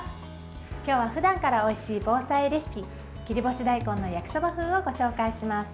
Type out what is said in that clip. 今日はふだんからおいしい防災レシピ切り干し大根の焼きそば風をご紹介します。